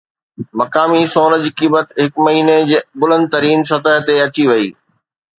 مقامي سون جي قيمت هڪ مهيني جي بلند ترين سطح تي اچي وئي